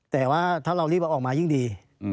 แต่ว่าถ้าเรารีบเอาออกมายิ่งดี